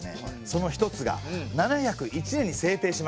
その一つが７０１年に制定しました